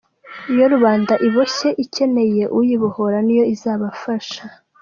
Iyo rubanda iboshye ikeneye uyibohora ni yo izababafasha?